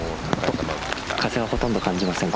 風はほとんど感じません。